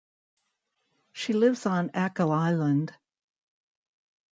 She lives on Achill Island.